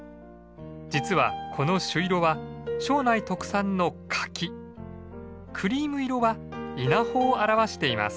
実はこの朱色は庄内特産の柿クリーム色は稲穂を表しています。